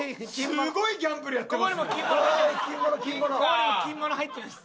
すごいギャンブルやってますね。